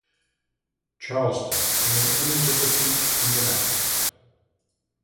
Charleston and an image of the peak in the background.